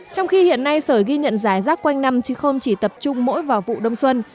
trong khi hiện nay sởi ghi nhận giải rác quanh năm chứ không chỉ tập trung mỗi vào vụ đông xuân